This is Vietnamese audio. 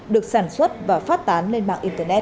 được sản xuất và phát tán lên mạng internet